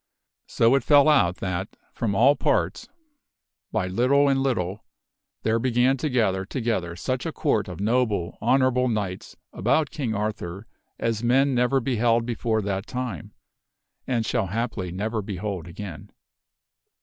So it fell out that, from all parts, by little and little, there began to gather together such a C ourt of noble, honorable knights about King Arthur as men never beheld before that time, and shall haply never behold again.